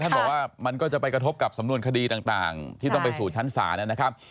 บอกว่ามันก็จะไปกระทบกับสำนวนคดีต่างที่ต้องไปสู่ชั้นศาลนะครับ